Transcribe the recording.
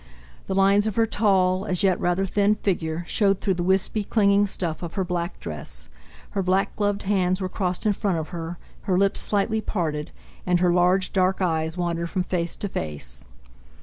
The lines of her tall, as yet rather thin figure, showed through the wispy, clinging stuff of her black dress, her black gloved hands were crossed in front of her, her lips slightly parted, and her large, dark eyes wandered from face to face.